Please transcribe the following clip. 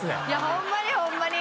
ホンマにホンマに。